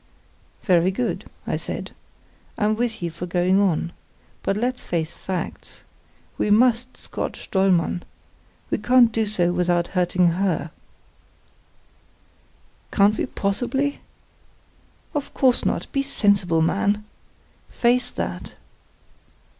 "Very good," I said. "I'm with you for going on. But let's face facts. We must scotch Dollmann. We can't do so without hurting her." "Can't we possibly?" "Of course not; be sensible, man. Face that.